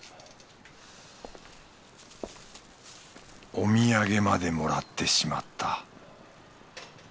お土産までもらってしまった